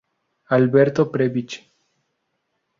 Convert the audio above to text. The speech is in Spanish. Alberto Prebisch.